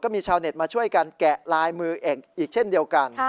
มีชาวเน็ตมาช่วยกันแกะลายมืออีกเช่นเดียวกัน